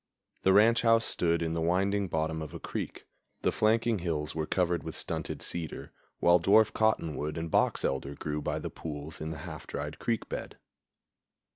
The ranch house stood in the winding bottom of a creek; the flanking hills were covered with stunted cedar, while dwarf cottonwood and box elder grew by the pools in the half dried creek bed.